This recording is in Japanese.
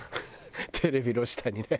テレビの下にね。